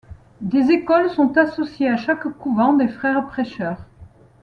Des écoles sont associées à chaque couvent des Frères prêcheurs.